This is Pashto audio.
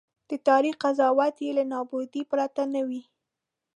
د تاریخ قضاوت یې له نابودۍ پرته نه وي.